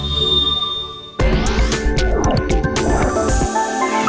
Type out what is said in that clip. โปรดติดตามตอนต่อไป